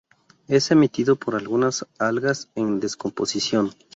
Es emitido por algunas algas en descomposición.